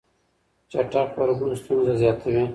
چټک غبرګون ستونزه زياتوي.